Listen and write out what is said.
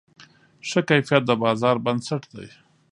ښه کیفیت د بازار بنسټ دی.